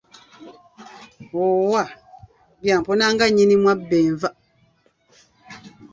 Owaa, bya mpuna nga nnyinimu abba enva!